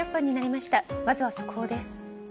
まずは速報です。